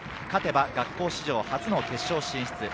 勝てば学校史上初の決勝進出。